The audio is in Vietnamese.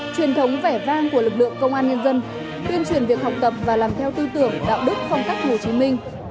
truyền thống vẻ vang của lực lượng công an nhân dân tuyên truyền việc học tập và làm theo tư tưởng đạo đức phong cách hồ chí minh